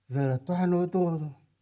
giờ là toàn ô tô thôi